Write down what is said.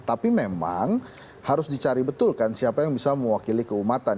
tapi memang harus dicari betul kan siapa yang bisa mewakili keumatan